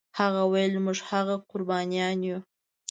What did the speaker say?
هغه ویل موږ هغه قربانیان یو.